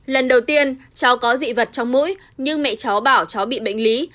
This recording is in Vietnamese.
lần đầu tiên cháu có dị vật trong mũi nhưng mẹ cháu bảo cháu bị bệnh lý